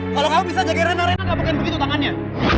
kalau kamu bisa jadi rena rena gak pakai begitu tangannya